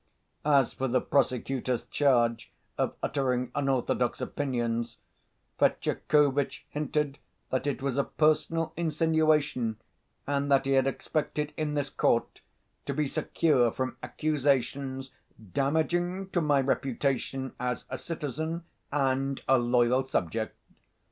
As for the prosecutor's charge of uttering unorthodox opinions, Fetyukovitch hinted that it was a personal insinuation and that he had expected in this court to be secure from accusations "damaging to my reputation as a citizen and a loyal subject."